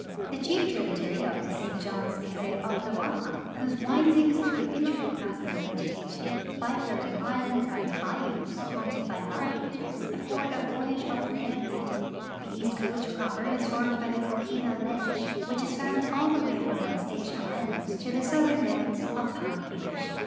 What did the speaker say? The chief tribu taiy of the St. Johns is the Oklawaha, whose windings through intricate masses of vegetation, by floating islands and bayous haunted by alligators, afford a vo^^^age of rare beauty. The east coast proper is formed Ijy the coquina ledge, which is found all the way from Anastasia island to the southern limit of Palm beach.